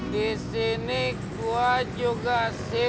di sini gua juga simpan